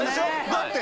だって